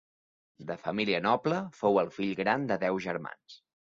De família noble, fou el fill gran de deu germans.